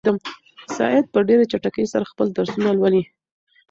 سعید په ډېرې چټکۍ سره خپل درسونه لولي.